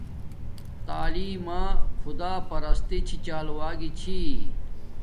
تعیلم ما خداپرستی چھی چال وگی چھی